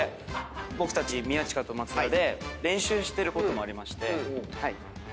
僕たち宮近と松田で練習してることもありまして。